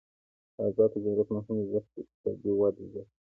آزاد تجارت مهم دی ځکه چې اقتصادي وده زیاتوي.